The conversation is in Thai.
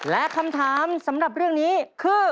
และคำถามสำหรับเรื่องนี้คือ